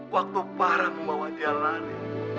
waktu farah membawa dia lari